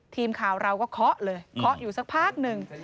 ทีมข่าวเราก็เคาะเลยเคาะอยู่สักพักหนึ่ง